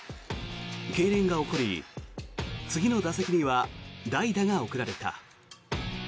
けいれんが起こり次の打席には代打が送られた。